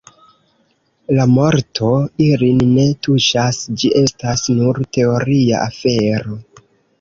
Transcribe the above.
La morto ilin ne tuŝas: ĝi estas nur teoria afero.